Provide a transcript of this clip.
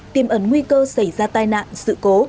tiềm ẩn nguy cơ xảy ra tai nạn sự cố